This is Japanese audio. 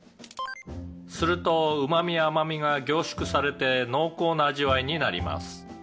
「するとうま味甘味が凝縮されて濃厚な味わいになります」